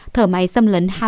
thở máy xâm lấn hai mươi một ca